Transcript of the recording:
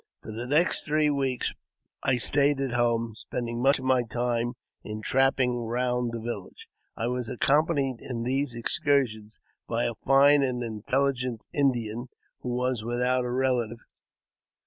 For the next three weeks I stayed at home, spending much of my time in trapping round the village. I was accompanied in these excursions by a fine and intelligent Indian, who was without a relative.